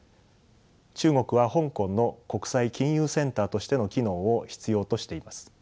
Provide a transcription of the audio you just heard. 中国は香港の国際金融センターとしての機能を必要としています。